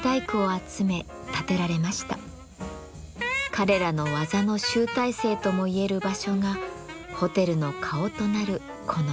彼らの技の集大成ともいえる場所がホテルの顔となるこの吹き抜けです。